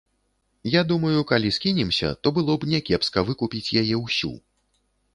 Я думаю, калі скінемся, то было б някепска выкупіць яе ўсю.